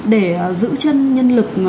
để giữ chân nhân lực